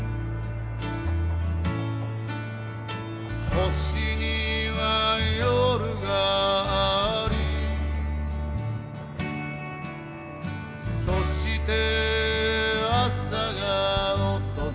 「星には夜がありそして朝が訪れた」